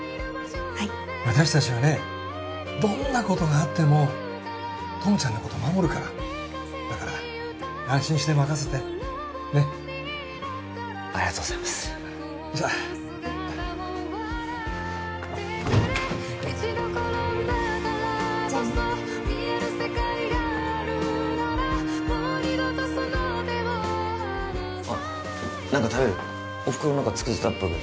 はい私達はねどんなことがあっても友ちゃんのこと守るからだから安心して任せてねっありがとうございますじゃあじゃあねあっ何か食べる？